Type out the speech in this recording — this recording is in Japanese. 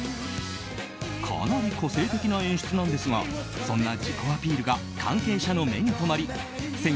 かなり個性的な演出なんですがそんな自己アピールが関係者の目に留まり